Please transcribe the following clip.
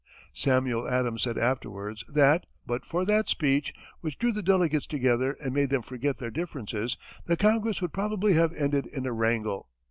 Samuel Adams said afterwards that, but for that speech, which drew the delegates together and made them forget their differences, the Congress would probably have ended in a wrangle.